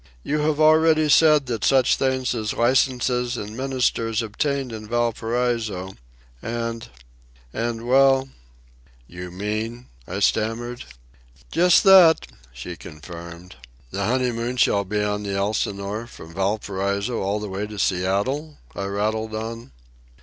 "You have already said that such things as licences and ministers obtain in Valparaiso ... and ... and, well ..." "You mean ...?" I stammered. "Just that," she confirmed. "The honeymoon shall be on the Elsinore from Valparaiso all the way to Seattle?" I rattled on.